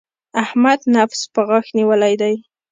احمد نفس په غاښ نيولی دی.